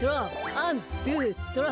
アンドゥトロワ。